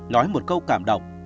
nói một câu cảm động